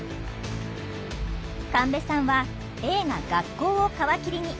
神戸さんは映画「学校」を皮切りに「男はつらいよ」